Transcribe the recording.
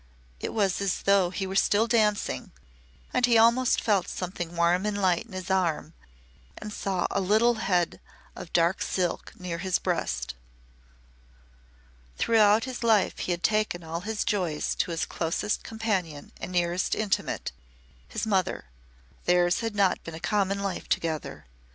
It was as though he were still dancing and he almost felt something warm and light in his arm and saw a little head of dark silk near his breast. Throughout his life he had taken all his joys to his closest companion and nearest intimate his mother. Theirs had not been a common life together.